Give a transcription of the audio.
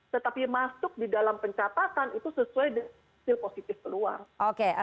tetapi masuk di dalam pencatatan itu sesuai dengan hasil positif keluar